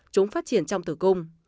chúng phát triển trong tử cung